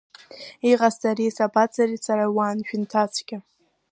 Иҟасҵари, сабацари сара, уан жәынҭацәгьа…